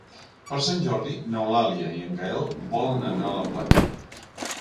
Per Sant Jordi n'Eulàlia i en Gaël volen anar a la platja.